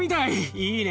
いいね！